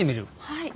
はい。